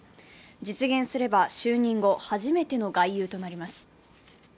実現すれば就任後初めての外遊となります。